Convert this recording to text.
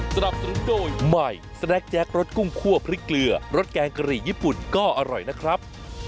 สนับสนุนโดยใหม่สแนคแจ๊ครสกุ้งคั่วพริกเกลือรสแกงกะหรี่ญี่ปุ่นก็อร่อยนะครับ